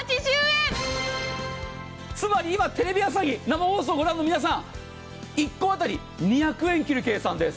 つまり今、テレビ朝日生放送をご覧の皆さん１個当たり２００円切る計算です。